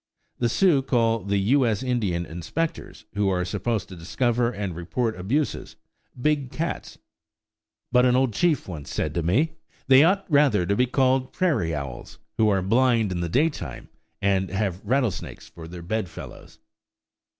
The Sioux call the U. S. Indian inspectors, who are supposed to discover and report abuses, "Big Cats"; but an old chief once said to me: "They ought rather to be called prairie owls, who are blind in the daytime and have rattlesnakes for their bedfellows!"